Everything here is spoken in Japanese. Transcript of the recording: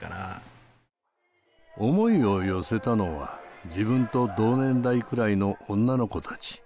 思いを寄せたのは自分と同年代くらいの女の子たち。